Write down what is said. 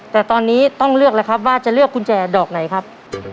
แต่ตอนนี้ต้องเลือกแล้วครับว่าจะเลือกกุญแจดอกไหนครับ